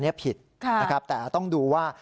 อันนี้ผิดนะครับแต่ต้องดูว่า